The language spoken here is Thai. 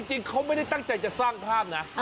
จริงเขาไม่ได้ตั้งใจจะสร้างภาพนะ